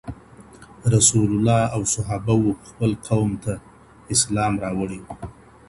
رسول الله او صحابه وو خپل قوم ته اسلام راوړی وو.